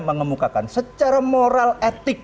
mengemukakan secara moral etik